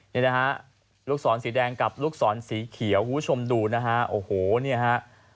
นี่นะฮะลูกศรสีแดงกับลูกศรสีเขียวคุณผู้ชมดูนะฮะโอ้โหเนี่ยฮะ